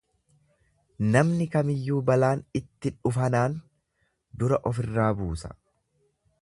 Namni kamiyyuu balaan itti dhufanaan dura ofirraa buusa.